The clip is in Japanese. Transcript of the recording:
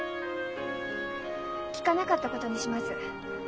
聞かなかったことにします。